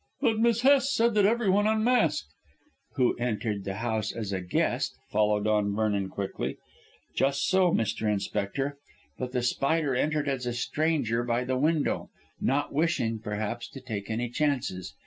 "But Miss Hest said that everyone unmasked " "Who entered the house as a guest," followed on Vernon quickly; "just so, Mr. Inspector. But The Spider entered as a stranger by the window, not wishing, perhaps, to take any chances.